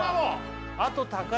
あと高山。